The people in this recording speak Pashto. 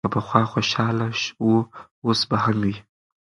که پخوا خوشاله و، اوس به هم وي.